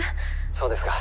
そうですか。